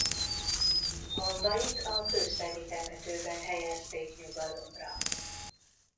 Hamvait a kőszegi temetőben helyezték nyugalomra.